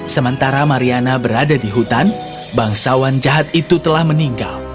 sementara mariana berada di hutan bangsawan jahat itu telah meninggal